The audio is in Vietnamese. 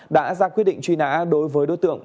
đã ra quyết định truy nã đối với đối tượng